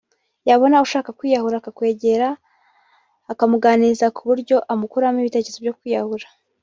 yabona ushaka kwiyahura akamwegera akamuganiriza ku buryo amukuramo ibitekerezo byo kwiyahura